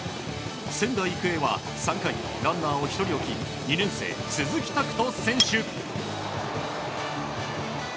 仙台育英は３回、ランナーを１人置き２年生、鈴木拓斗選手。